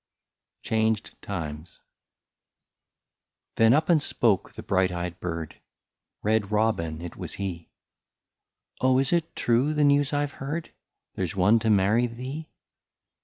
20 CHANGED TIMES. Then up and spoke the bright eyed bird, Red Robin — it was he :—'^ Oh is it true the news I 've heard, — There 's one to marry thee